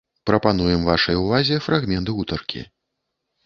Прапануем вашай увазе фрагмент гутаркі.